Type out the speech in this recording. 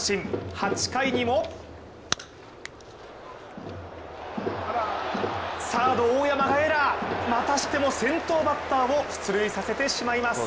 ８回にもサード・大山がエラーまたしても先頭バッターを出塁させてしまいます。